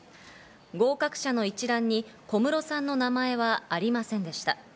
合格者の一覧に小室さんの名前はありませんでした。